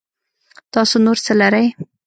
تاسو نور څه لرئ